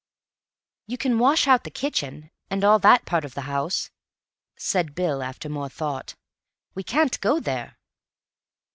"You can wash out the kitchen and all that part of the house," said Bill, after more thought. "We can't go there."